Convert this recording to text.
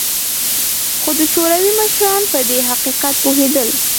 خو د شوروي مشران په دې حقیقت پوهېدل